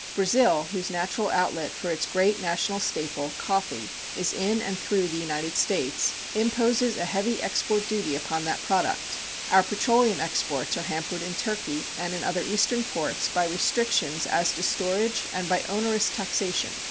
Brazil, whose natural outlet for its great national staple, coffee, is in and through the United States, imposes a heavy export duty upon that product. Our petroleum exports are hampered in Turkey and in other Eastern ports by restrictions as to storage and by onerous taxation.